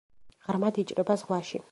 ღრმად იჭრება ზღვაში.